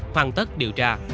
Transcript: hoàn tất điều tra